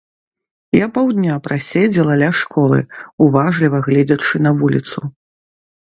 Я паўдня праседзела ля школы, уважліва гледзячы на вуліцу.